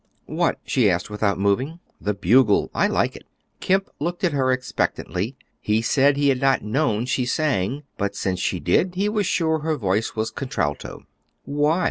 "What?" she asked without moving. "'The bugle;' I like it." Kemp looked at her expectantly. He said he had not known she sang; but since she did, he was sure her voice was contralto. "Why?"